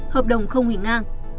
hợp đồng không hủy ngang